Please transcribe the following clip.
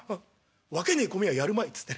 分けねえ米はやるまいっつって。